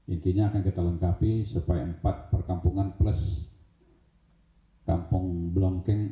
intinya akan kita lengkapi supaya empat perkampungan plus kampung blongkeng